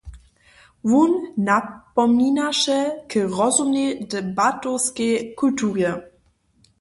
Wón napominaše k rozumnej debatowanskej kulturje.